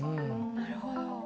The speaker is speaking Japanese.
なるほど。